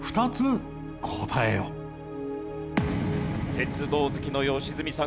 鉄道好きの良純さん